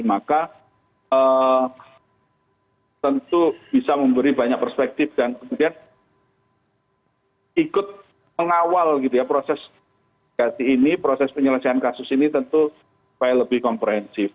maka tentu bisa memberi banyak perspektif dan kemudian ikut mengawal proses penyelesaian kasus ini tentu supaya lebih komprehensif